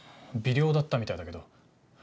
微量だったみたいだけど。